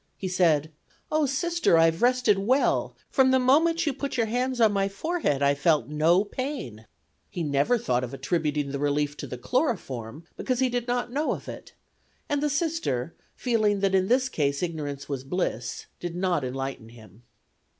He said: "Oh, Sister, I have rested well; from the moment you put your hands on my forehead I experienced no pain." He never thought of attributing the relief to the chloroform, because he did not know of it, and the Sister, feeling that in this case ignorance was bliss, did not enlighten him.